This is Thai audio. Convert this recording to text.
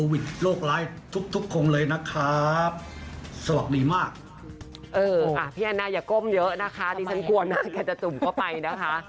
ดิฉันกลัวน่ะแกจะจุ่มเข้าไปนะคะ